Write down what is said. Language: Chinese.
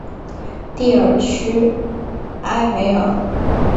蒂尔屈埃维尔。